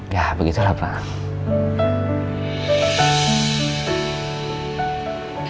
ya begitulah pak